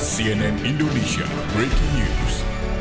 cnn indonesia breaking news